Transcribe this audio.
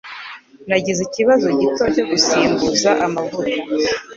Nagize ikibazo gito cyo gusimbuza amavuta